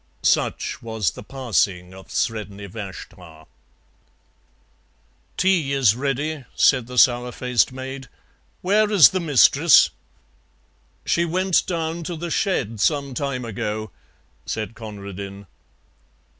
Such was the passing of Sredni Vashtar. "Tea is ready," said the sour faced maid; "where is the mistress?" "She went down to the shed some time ago," said Conradin.